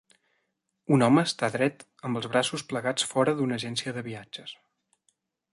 Un home està dret amb els braços plegats fora d'una agència de viatges.